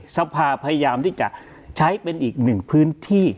สภาพยายามที่จะใช้เป็นอีกหนึ่งพื้นที่